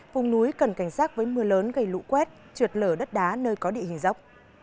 vùng núi cần cảnh sát với mưa lớn gây lũ quét trượt lở đất đá nơi có địa hình dốc